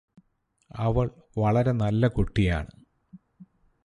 അവൾ വളരെ നല്ല കുട്ടിയാണ്